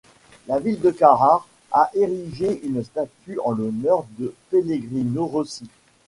La ville de Carrare a érigé une statue en l'honneur de Pellegrino Rossi.